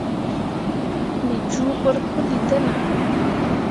Me juubǝrri puli te nah.